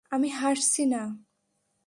আমি হাসছি না!